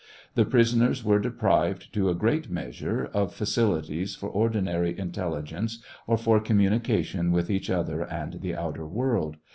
The prisoners were deprived, to a great measure, of facilities for ordinary intelligence or for communication with each other and the outer world.